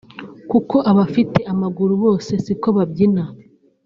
kuko abafite amaguru bose siko babyina